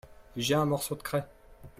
J'ai un morceau de craie.